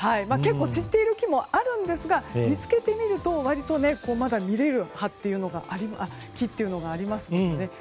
散っている木もあるんですが見つけてみると割とまだ見れる木というのがありますので。